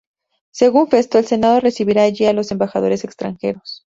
Según Festo, el Senado recibía allí a los embajadores extranjeros.